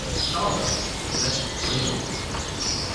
Souther, except where noted.